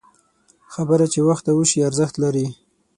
خبره چې وخته وشي، ارزښت لري